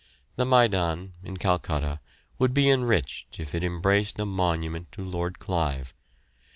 The Maidan, in Calcutta, would be enriched if it embraced a monument to Lord Clive.